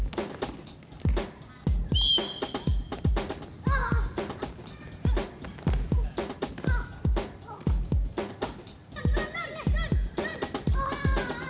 tunggu tunggu tanggal